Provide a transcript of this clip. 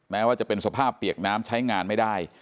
แม้ว่าจะเป็นสภาพเปียกน้ำใช้งานไม่ได้